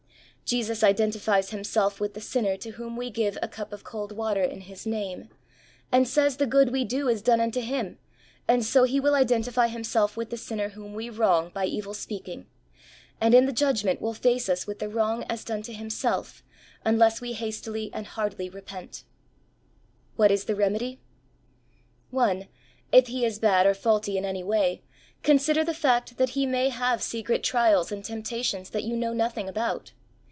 Jesus identifies Himself with the sinner to whom we give a cup of cold water in His name, and says the good we do is done unto Him, and so He will identify Himself with the sinner whom we wrong by evil speaking, and in the Judgment will face us with the wrong as done to Himself unless we hastily and heartily repent. EVIL SPEAKING. lOI Whac is the remedy ? 1. If he is bad or faulty in any way, consider the fact that he may have secret trials and temptations that you know nothing about.